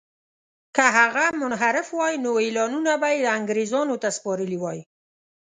که هغه منحرف وای نو اعلانونه به یې انګرېزانو ته سپارلي وای.